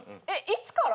いつから？